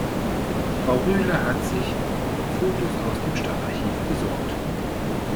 Frau Rühle hat sich Fotos aus dem Stadtarchiv besorgt.